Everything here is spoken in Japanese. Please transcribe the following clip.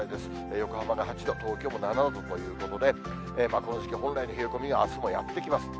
横浜が８度、東京も７度ということで、この時期本来の冷え込みが、あすもやって来ます。